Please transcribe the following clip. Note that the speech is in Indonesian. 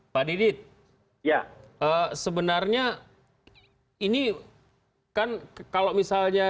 pak didit sebenarnya ini kan kalau misalnya